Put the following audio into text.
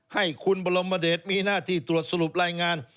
ให้คุณบรมเดชมีหน้าที่ตรวจสรุปรายงาน